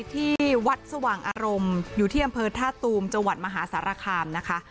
ที่วัดสว่างอารมณ์อยู่ที่อำเภอท่าตูมจังหวัดมหาสารคามนะคะ